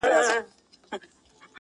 چي د مغولو له بیرغ څخه کفن جوړوي!.